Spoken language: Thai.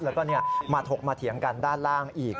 แล้วก็มาถกมาเถียงกันด้านล่างอีก